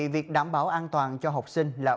việc đảm bảo an toàn cho học sinh là